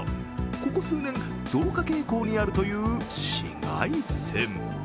ここ数年、増加傾向にあるという紫外線。